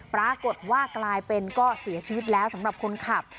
ปรากฏว่ากลายเป็นก็เสียชีวิตแล้วสำหรับคนขับ